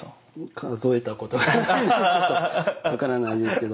数えたことないのでちょっと分からないですけど。